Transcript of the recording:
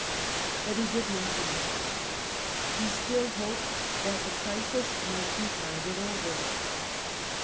But he did nothing. lie still hoped that the crisis might be tided over.